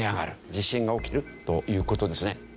地震が起きるという事ですね。